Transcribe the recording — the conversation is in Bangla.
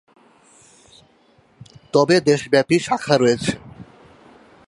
তবে দেশব্যাপী শাখা রয়েছে।